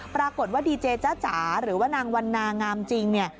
ปรากฏว่าดีเจจ้าจ๋าหรือว่านางวันนางามจริงเนี่ย